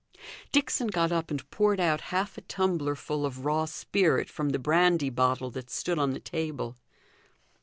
Dixon got up and poured out half a tumblerful of raw spirit from the brandy bottle that stood on the table.